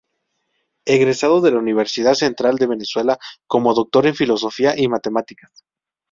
Egresado de la Universidad Central de Venezuela como Doctor en Filosofía y Matemáticas.